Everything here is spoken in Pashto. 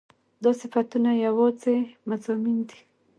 دا صفتونه يواځې مضامين دي